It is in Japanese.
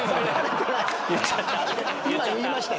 今言いましたよ。